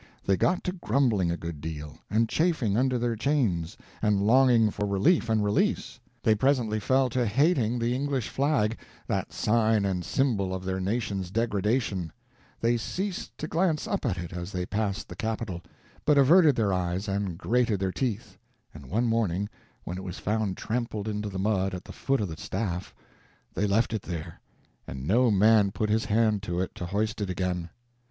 They got to grumbling a good deal, and chafing under their chains, and longing for relief and release. They presently fell to hating the English flag, that sign and symbol of their nation's degradation; they ceased to glance up at it as they passed the capitol, but averted their eyes and grated their teeth; and one morning, when it was found trampled into the mud at the foot of the staff, they left it there, and no man put his hand to it to hoist it again.